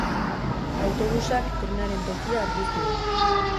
Autobusak trenaren tokia hartu zuen.